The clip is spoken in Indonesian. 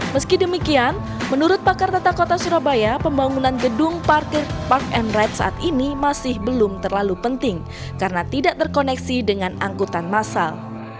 meski demikian menurut pakar tata kota surabaya pembangunan gedung parkir park and ride saat ini masih belum terlalu penting karena tidak terkoneksi dengan angkutan masal